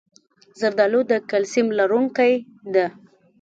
زردالو د کلسیم لرونکی ده.